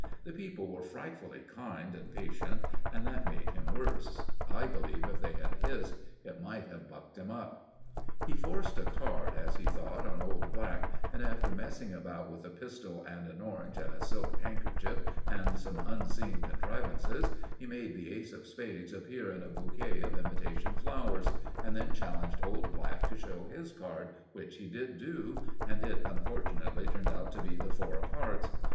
The people were frightfully kind and patient, and that made him worse. I believe, if they had hissed, it might have bucked him up. He forced a card, as he thought, on old Black, and after messing about with a pistol and an orange and a silk handkerchief and some unseen contrivances, he made the ace of spades appear in a bouquet of imitation flowers, and then challenged old Black to show his card, which he did do, and it unfortunately turned out to be the four of hearts.